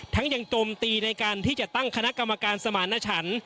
ยังโจมตีในการที่จะตั้งคณะกรรมการสมารณชัน